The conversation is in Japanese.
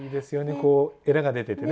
こうえらが出ててね。